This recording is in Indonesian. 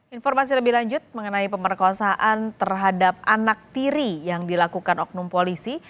informasi lebih lanjut mengenai pemerkosaan terhadap anak tiri yang dilakukan oknum polisi